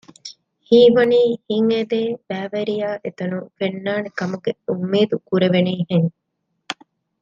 ހީވަނީ ހިތްއެދޭ ބައިވެރިޔާ އެތަނުން ފެންނާނެ ކަމުގެ އުއްމީދު ކުރެވެނީހެން